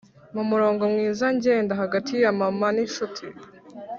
numurongo mwiza ngenda hagati ya mama ninshuti.